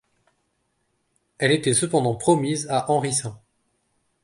Elle était cependant promise à Henry St.